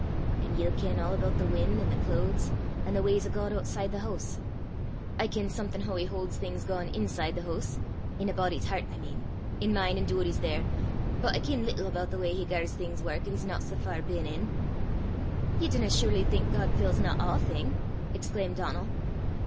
"An' ye'll ken a' aboot the win', an' the cloods, an' the w'ys o' God ootside the hoose! I ken something hoo he hauds things gaein' inside the hoose in a body's hert, I mean in mine an' Doory's there, but I ken little aboot the w'y he gars things wark 'at he's no sae far ben in." "Ye dinna surely think God fillsna a'thing?" exclaimed Donal.